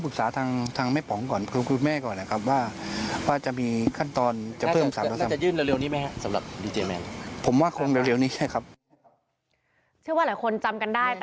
เชื่อว่าหลายคนจำกันได้